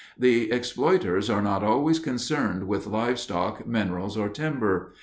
The exploiters are not always concerned with livestock, minerals, or timber.